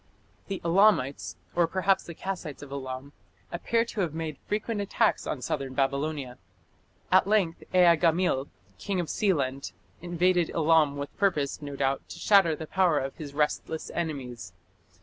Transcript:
The Elamites, or perhaps the Kassites of Elam, appear to have made frequent attacks on southern Babylonia. At length Ea gamil, king of Sealand, invaded Elam with purpose, no doubt, to shatter the power of his restless enemies.